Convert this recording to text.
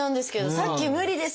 さっき「無理です。